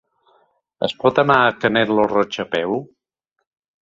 Es pot anar a Canet lo Roig a peu?